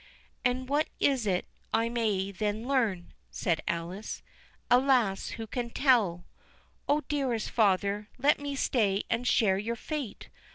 "And what is it I may then learn?" said Alice—"Alas, who can tell?—O, dearest father, let me stay and share your fate!